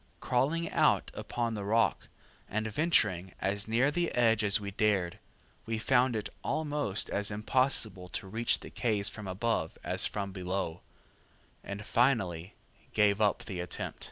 Crawling out upon the rock, and venturing as near the edge as we dared, we found it almost as impossible to reach the caves from above as from below, and finally gave up the attempt.